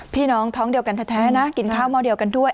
พี่น้องท้องเดียวกันแท้นะกินข้าวหม้อเดียวกันด้วย